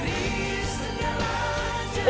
ada lucu mbak